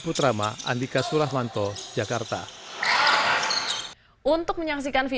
pelita jaya berharap akan meningkatkan performa tim